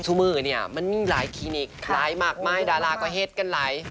มือเนี่ยมันมีหลายคลินิกหลายมากมายดาราก็เฮ็ดกันหลาย